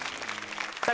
さあ